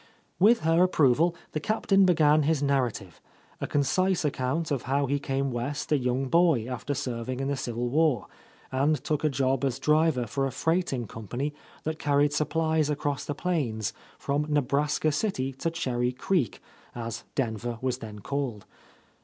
With her approval the Captain began his nar rative: a concise account of how he came West a young boy, after serving in the Civil War, and took a job as driver for a freighting company that carried supplies across the plains from Ne braska City to Cherry Creek, as Denver was then called.